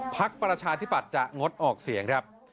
ภักดิ์ประชาธิปัตย์จะงดออกเสียง